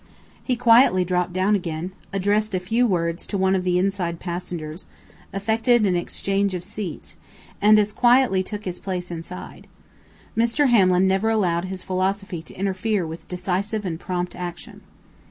He quietly dropped down again, addressed a few words to one of the inside passengers, effected an exchange of seats, and as quietly took his place inside. Mr. Hamlin never allowed his philosophy to interfere with decisive and prompt action.